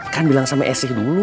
kan bilang sama esih dulu